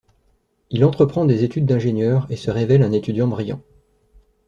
Il entreprend des études d’ingénieur et se révèle un étudiant brillant.